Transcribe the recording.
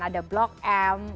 ada blok m